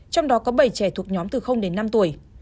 trong đó có bảy trẻ thuộc nhóm từ đến năm tuổi